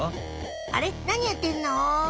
あれ何やってんの？